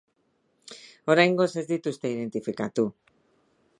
Oraingoz ez dituzte identifikatu.